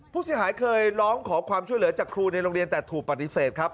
ผู้เสียหายเคยร้องขอความช่วยเหลือจากครูในโรงเรียนแต่ถูกปฏิเสธครับ